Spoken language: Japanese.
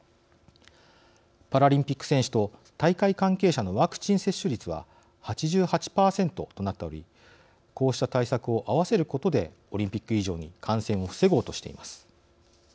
パラリンピック選手と大会関係者のワクチン接種率は８８％となっておりこうした対策を合わせることでオリンピック以上に感染を防ごうとしています。